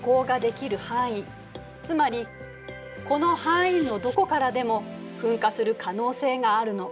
つまりこの範囲のどこからでも噴火する可能性があるの。